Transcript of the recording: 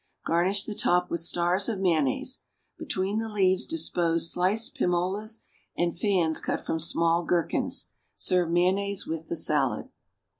Garnish the top with stars of mayonnaise. Between the leaves dispose sliced pim olas and fans cut from small gherkins. Serve mayonnaise with the salad.